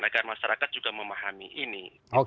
agar masyarakat juga memahami ini